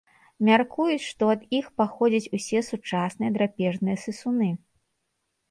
Мяркуюць, што ад іх паходзяць усе сучасныя драпежныя сысуны.